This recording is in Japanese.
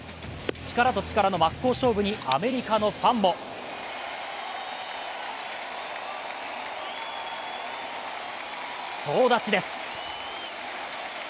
力と力の真っ向勝負にアメリカのファンも総立ちです。